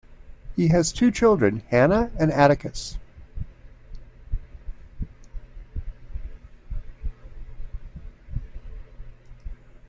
He has two children Hannah and Atticus.